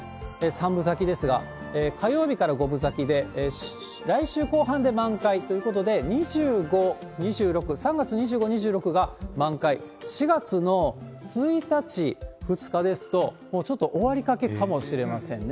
３分咲きですが、火曜日から５分咲きで、来週後半で満開ということで、２５、２６、３月２５、２６が満開、４月の１日、２日ですと、もうちょっと終わりかけかもしれませんね。